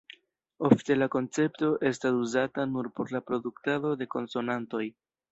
Ofte la koncepto estas uzata nur por la produktado de konsonantoj.